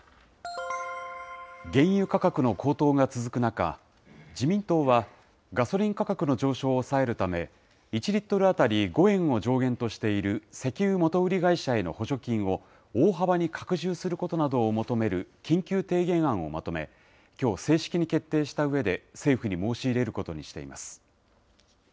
原油価格の高騰が続く中、自民党はガソリン価格の上昇を抑えるため、１リットル当たり５円を上限としている石油元売り会社への補助金を大幅に拡充することなどを求める緊急提言案をまとめ、きょう正式に決定したうえで、政府に申し入れることにしています。